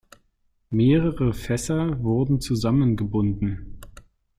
Mehrere Fässer wurden zusammengebunden.